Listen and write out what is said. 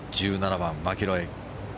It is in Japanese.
１７番、マキロイ。